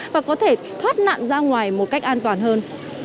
và có thể thoát nạn ra ngoài một cách an toàn hơn